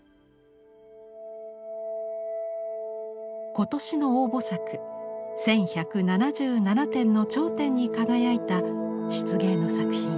今年の応募作１，１７７点の頂点に輝いた漆芸の作品。